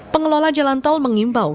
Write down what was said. pengelola jalan tol mengimbau